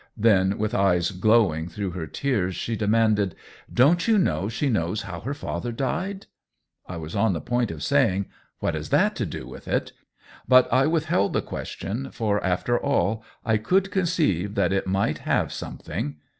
Then with eyes glowing through 140 COLLABORATION her tears she demanded :" Don't you know she knows how her father died ?" I was on the point of saying, " What has that to do with it?" but I withheld the question, for, after all, I could conceive that it might have something.